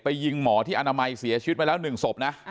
ยิงหมอที่อนามัยเสียชีวิตมาแล้ว๑ศพนะ